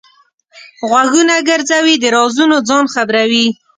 غوږونه ګرځوي؛ د رازونو ځان خبروي.